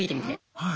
はい。